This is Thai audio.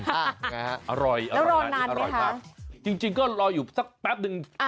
แล้วรอนานไหมคะอร่อยค่ะจริงก็รออยู่สักแป๊บหนึ่ง